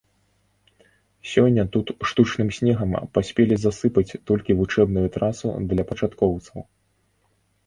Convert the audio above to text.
Сёння тут штучным снегам паспелі засыпаць толькі вучэбную трасу для пачаткоўцаў.